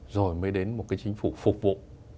rồi mới đến một cái chính phủ phục vụ